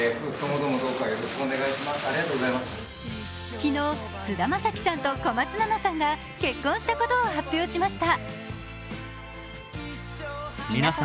昨日、菅田将暉さんと小松菜奈さんが結婚したことを発表しました。